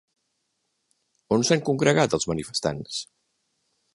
On s'han congregat els manifestants?